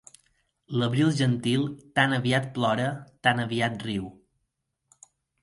L'abril gentil tan aviat plora, tan aviat riu.